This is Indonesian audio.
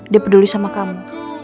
dia peduli sama kamu